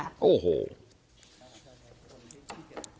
โอ้โห